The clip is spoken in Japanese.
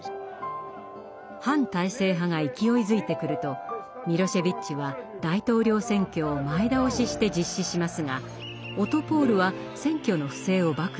反体制派が勢いづいてくるとミロシェヴィッチは大統領選挙を前倒しして実施しますがオトポール！は選挙の不正を暴露。